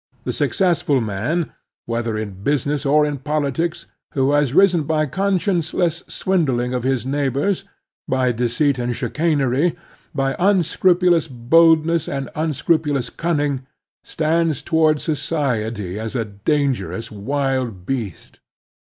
The successful man, whether in business or in politics, who has risen by conscienceless swindling of his neighbors, by deceit and chicanery, by unscrupulous bold ness and unscrupulous cunning, stands toward society as a dangerous wild beast.